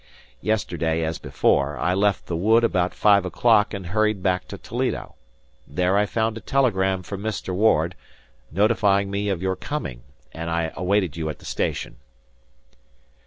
Yesterday, as before, I left the wood about five o'clock and hurried back to Toledo. There I found a telegram from Mr. Ward, notifying me of your coming; and I awaited you at the station."